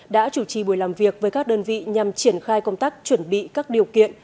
đã chủ trì buổi làm việc với các đơn vị nhằm triển khai công tác chuẩn bị các điều kiện